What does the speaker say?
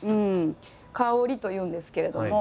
「歌織」というんですけれども。